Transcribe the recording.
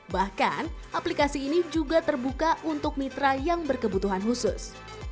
bahkan aplikasi ini juga terbuka untuk mitra yang berkebutuhan khusus